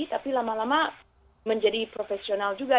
tapi lama lama menjadi profesional juga